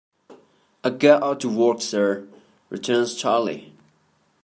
"I go out to work, sir," returns Charley.